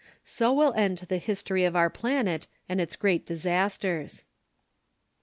So will end the history of our planet and its great disasters.